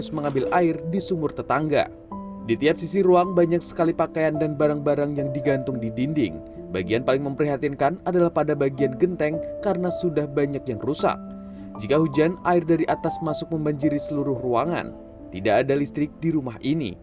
potrat kemiskinan di brebes jowa tengah